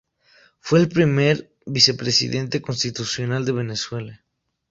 Fue el primer vicepresidente constitucional de Venezuela.